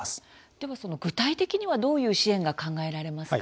でも、具体的にはどういう支援が考えられますか。